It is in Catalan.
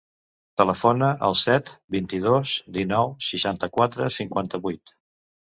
Telefona al set, vint-i-dos, dinou, seixanta-quatre, cinquanta-vuit.